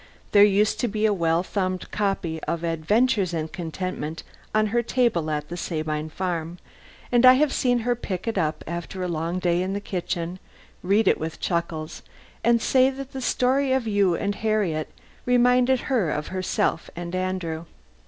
There used to be a well thumbed copy of "Adventures in Contentment" on her table at the Sabine Farm, and I have seen her pick it up, after a long day in the kitchen, read it with chuckles, and say that the story of you and Harriet reminded her of herself and Andrew.